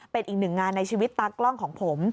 เป็นอีกหนึ่งงานในชีวิตตากล้องของผม